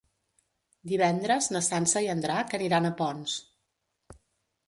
Divendres na Sança i en Drac aniran a Ponts.